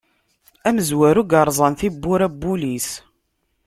Amezwaru i yerẓan tiwwura n wul-is.